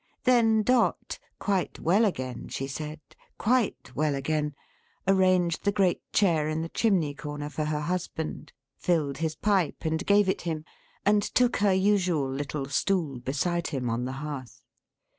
Then Dot: quite well again, she said: quite well again: arranged the great chair in the chimney corner for her husband; filled his pipe and gave it him; and took her usual little stool beside him on the hearth.